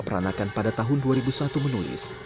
peranakan pada tahun dua ribu satu menulis